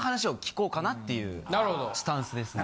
っていうスタンスですね。